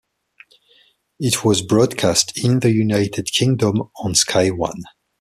It was broadcast in the United Kingdom on Sky One.